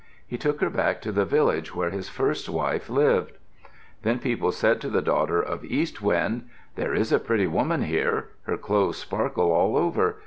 He took her back to the village where his first wife lived. Then people said to the daughter of East Wind, "There is a pretty woman here. Her clothes sparkle all over.